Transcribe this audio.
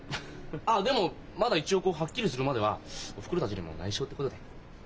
あっでもまだ一応こうはっきりするまではおふくろたちにもないしょってことで。